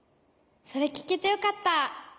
それきけてよかった！